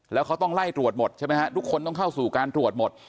แล้วเขาต้องไล่ตรวจหมดใช่ไหมฮะทุกคนต้องเข้าสู่การตรวจหมด